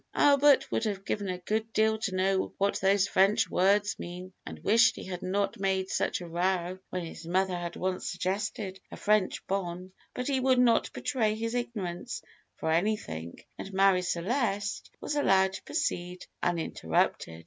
Albert would have given a good deal to know what those French words meant, and wished he had not made such a row when his mother had once suggested a French bonne; but he would not betray his ignorance for anything, and Marie Celeste was allowed to proceed uninterrupted.